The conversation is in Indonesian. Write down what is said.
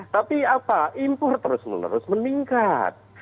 tapi apa impor terus menerus meningkat